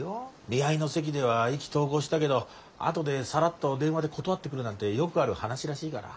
見合いの席では意気投合したけどあとでさらっと電話で断ってくるなんてよくある話らしいから。